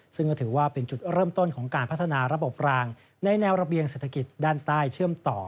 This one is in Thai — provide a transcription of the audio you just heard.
ซึ่งก็ถือว่าเป็นจุดเริ่มต้นของการพัฒนาระบบรางในแนวระเบียงเศรษฐกิจด้านใต้เชื่อมต่อ